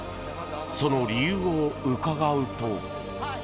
その理由を伺うと。